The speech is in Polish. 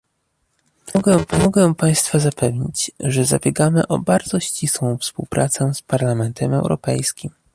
tu mogę Państwa zapewnić, że zabiegamy o bardzo ścisłą współpracę z Parlamentem Europejskim